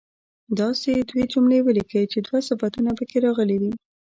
داسې دوې جملې ولیکئ چې دوه صفتونه په کې راغلي وي.